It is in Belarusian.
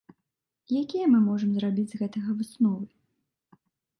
Якія мы можам зрабіць з гэтага высновы?